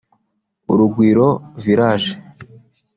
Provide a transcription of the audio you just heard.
Urugwiro Village